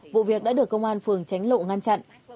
vụ việc đã được công an phường tránh lộ ngăn chặn